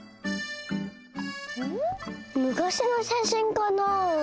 ん？むかしのしゃしんかなあ？